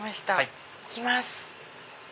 行きます。